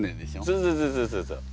そうそうそうそう。